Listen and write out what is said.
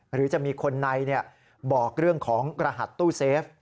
หรือจะมีคนในบอกเรื่องของรหัสตู้เซฟ